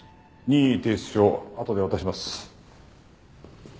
任意提出書をあとで渡します。